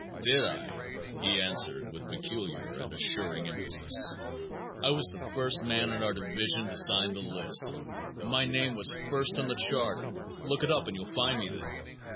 "Did I?" he answered with peculiar and assuring emphasis. "I was the first man on our division to sign the list, and my name was first on the charter. Look it up and you'll find me there.